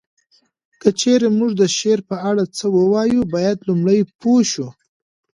که چیري مونږ د شعر په اړه څه ووایو باید لومړی پوه شو